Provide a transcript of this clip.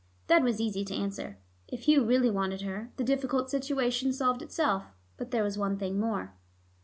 That was easy to answer. If Hugh really wanted her, the difficult situation solved itself. But there was one thing more.